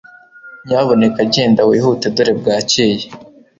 Nyabuneka genda wihuta dore bwakeye